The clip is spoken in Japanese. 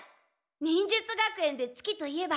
忍術学園で月といえば。